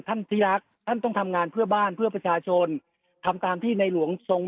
ที่รักท่านต้องทำงานเพื่อบ้านเพื่อประชาชนทำตามที่ในหลวงทรง